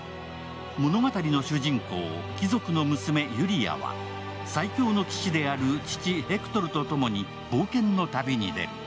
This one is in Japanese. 物語の主人公、貴族の娘・ユリアは最強の騎士である父・ヘクトルとともに冒険の旅に出る。